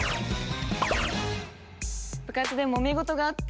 部活でもめ事があって。